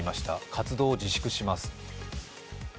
活動を自粛します。